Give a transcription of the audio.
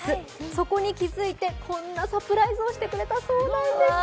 そこに気付いて、こんなサプライズをしてくれたそうなんですよ。